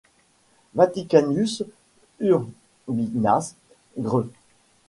Vaticanus Urbinas Gr.